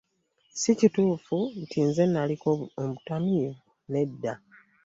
Si kituufu nti nze naliko omutamiivu nedda.